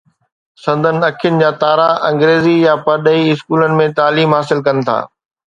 سندن اکين جا تارا انگريزي يا پرڏيهي اسڪولن ۾ تعليم حاصل ڪن ٿا.